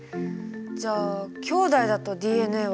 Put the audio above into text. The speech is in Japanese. じゃあきょうだいだとＤＮＡは一緒？